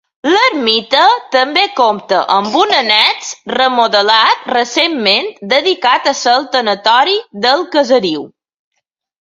L'ermita també compta amb un annex remodelat recentment dedicat a ser el tanatori del caseriu.